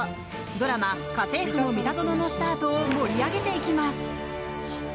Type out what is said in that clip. ドラマ「家政夫のミタゾノ」のスタートを盛り上げていきます！